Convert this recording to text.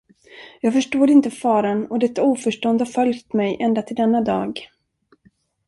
Jag förstod inte faran och detta oförstånd har följt mig ända till denna dag.